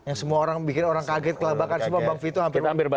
yang semua orang bikin orang kaget kelebakan semua bang vito hampir hampir